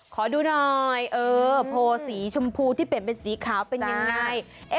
ขอดูหน่อยเออโพลสีชมพูที่เปลี่ยนเป็นสีขาวเป็นยังไง